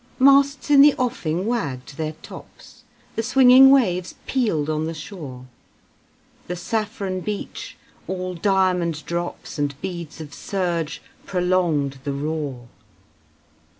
Masts in the offing wagged their tops; The swinging waves pealed on the shore; The saffron beach, all diamond drops And beads of surge, prolonged the roar.